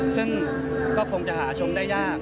ซึ่งก็คงจะหาชมได้ยาก